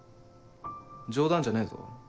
冗談じゃねえぞ。